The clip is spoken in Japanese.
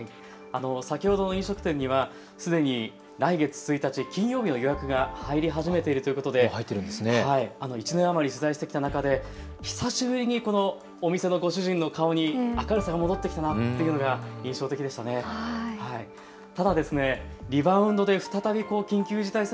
先ほどの飲食店にはすでに来月１日金曜日の予約が入り始めているということで１年余り取材してきた中で久しぶりにこのお店のご主人の顔に明るさが戻ってきたのが印象的でした。